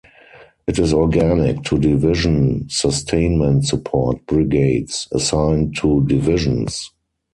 It is organic to division sustainment support brigades assigned to divisions.